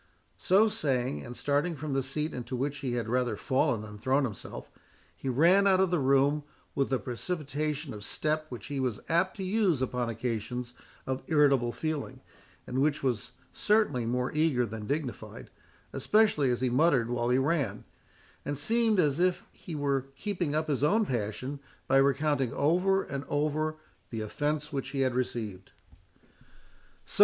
So saying, and starting from the seat into which he had rather fallen than thrown himself, he ran out of the room with a precipitation of step which he was apt to use upon occasions of irritable feeling, and which was certainly more eager than dignified, especially as he muttered while he ran, and seemed as if he were keeping up his own passion, by recounting over and over the offence which he had received. "So!"